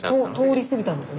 通り過ぎたんですね。